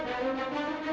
lo sudah nunggu